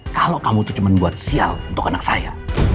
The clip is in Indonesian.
kalau kamu tuh cuman buat sial untuk anak saya